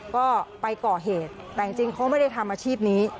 ก็ไปก่อเหตุแต่จริงเขาไม่ได้ทำอาชีพนี้